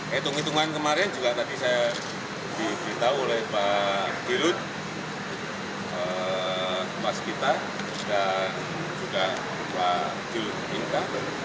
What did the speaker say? hitung hitungan kemarin juga tadi saya diberitahu oleh pak gilud mas gita dan juga pak gilud minta